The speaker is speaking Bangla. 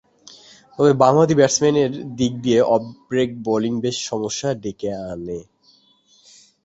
তবে, বামহাতি ব্যাটসম্যানের দিক দিয়ে অফ ব্রেক বোলিং বেশ সমস্যা ডেকে আনে।